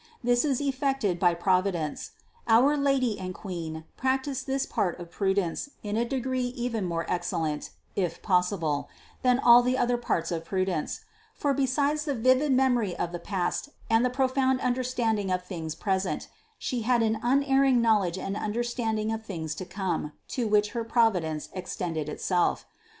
This is effected by provi dence. Our Lady and Queen practiced this part of pru dence in a degree even more excellent (if possible) than all the other parts of prudence; for besides the vivid memory of the past and the profound understanding of things present, She had an unerring knowledge and un derstanding of things to come, to which her providence extended itself.